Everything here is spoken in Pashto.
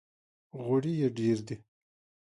غوړي یې ډېر دي!